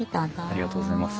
ありがとうございます。